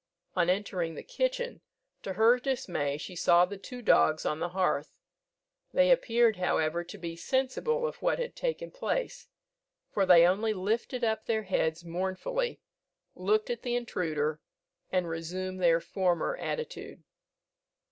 On entering the kitchen, to her dismay she saw the two dogs on the hearth. They appeared, however, to be sensible of what had taken place, for they only lifted up their heads mournfully, looked at the intruder, and resumed their former attitude.